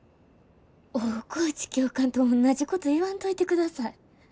大河内教官とおんなじこと言わんといてください。